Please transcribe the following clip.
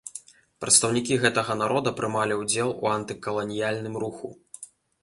Прадстаўнікі гэтага народа прымалі ўдзел у антыкаланіяльным руху.